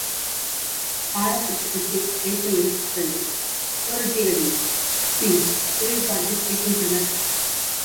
பாடப்புத்தகத்தில் இளைத்த எழுத்துக்கள், சுவரொட்டிகளில் உப்பி ஊரைப் பார்த்துச் சிரிக்கின்றன.